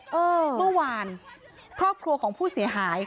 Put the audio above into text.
เมื่อวานครอบครัวของผู้เสียหาย